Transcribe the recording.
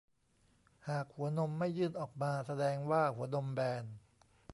หากหัวนมไม่ยื่นออกมาแสดงว่าหัวนมแบน